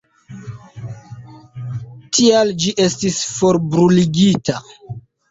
Tial ĝi estis forbruligita.